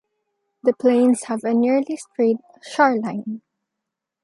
The plains have a nearly straight shoreline.